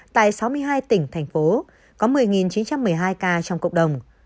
tại sáu mươi hai tỉnh thành phố có một mươi chín trăm một mươi hai ca trong cộng đồng